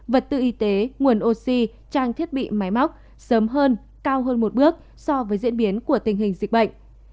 vật tư y tế nguồn oxy trang thiết bị máy móc sớm hơn cao hơn một bước so với diễn biến của tình hình dịch bệnh